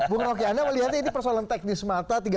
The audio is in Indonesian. bung roky anda melihatnya ini persoalan teknis mata